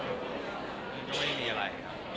ก็ไม่มีอะไร